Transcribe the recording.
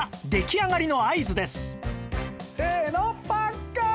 せーのパッカーン！